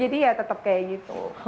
jadi ya tetep kayak gitu